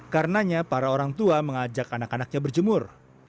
karenanya para orang tua mengajak anak anaknya berjemur